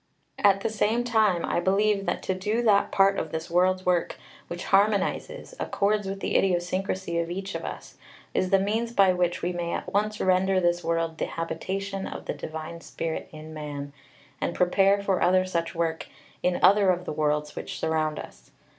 At the same time I believe that to do that part of this world's work which harmonizes, accords with the idiosyncrasy of each of us, is the means by which we may at once render this world the habitation of the Divine Spirit in Man, and prepare for other such work in other of the worlds which surround us.